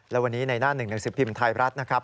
และวันนี้ในหน้า๑๑๑พิมพ์ไทยรัฐนะครับ